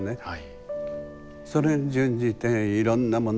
はい。